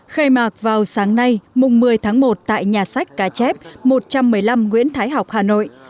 khai mạc vào sáng nay mùng một mươi tháng một tại nhà sách cá chép một trăm một mươi năm nguyễn thái học hà nội